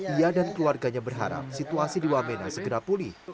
ia dan keluarganya berharap situasi di wamena segera pulih